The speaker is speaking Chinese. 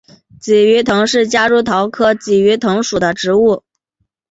鲫鱼藤是夹竹桃科鲫鱼藤属的植物。